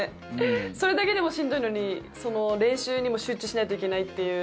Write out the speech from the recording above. それだけでもしんどいのに練習にも集中しないといけないっていう。